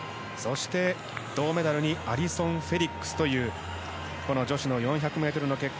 銅メダルにアリソン・フェリックスという女子の４００ｍの結果。